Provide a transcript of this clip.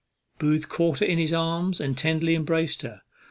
Booth caught her in his arms and tenderly embraced her.